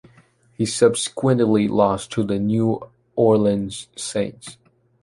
He subsequently lost to the New Orleans Saints.